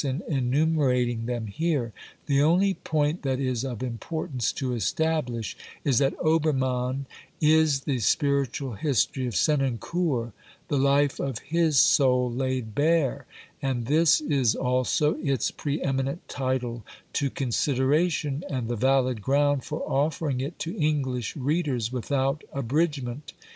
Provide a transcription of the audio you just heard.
CRITICAL INTRODUCTION xxiii enumerating them here ; the only point that is of importance to establish is that Obermann is the spiritual history of Senancour,^ the life of his soul laid bare, and this is also its ; pre eminent title to consideration and the valid ground for ■ offering it to English readers without abridgment.